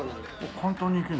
簡単にいけるんだ。